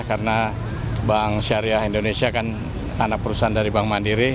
karena bank syariah indonesia kan anak perusahaan dari bank mandiri